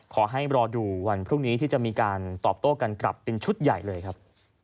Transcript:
ขอให้รอดูวันพรุ่งนี้ที่จะมีการตอบโต้กันกลับเป็นชุดใหญ่เลยครับ